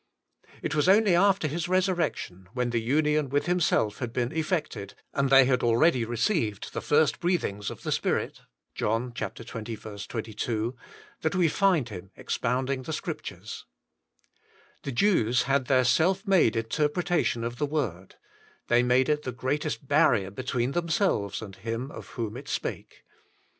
It was only after His resurrection, when the union with Himself had been effected, and they had 32 Learning of Christ 83 already received the first breathings of the Spirit (Jno. XX. 22) that we find Him expounding the Scriptures. The Jews had their self made inter pretation of the Word: they made it the greatest barrier between themselves and Him of whom it spake.